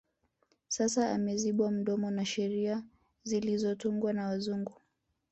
Sasa amezibwa mdomo na sheria zilizotungwa na wazungu